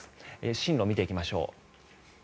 進路、見ていきましょう。